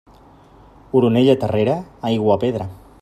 Oronella terrera, aigua o pedra.